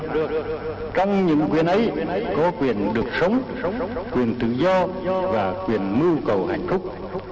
trong những quyền ấy có quyền được sống quyền tự do và quyền mưu cầu hạnh phúc